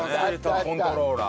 コントローラー。